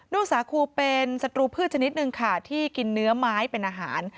้วงสาคูเป็นศัตรูพืชชนิดหนึ่งค่ะที่กินเนื้อไม้เป็นอาหาร